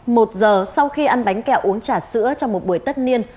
một giờ sau khi ăn bánh kẹo uống trà sữa trong một buổi tất niên